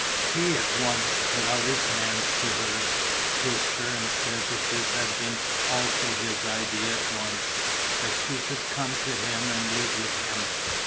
He at once put out his hands to her, kissed her and said that this had been also his idea at once, that she should come to him and live with him.